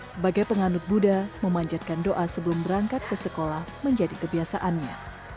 sebagai penganut buddha memanjatkan doa sebelum berangkat ke sekolah menjadi kebiasaannya